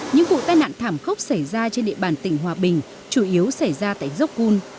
những vụ tai nạn thảm khốc xảy ra trên địa bàn tỉnh hòa bình chủ yếu xảy ra tại dốc cun